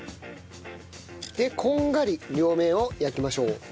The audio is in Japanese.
こんがり両面を焼きましょう。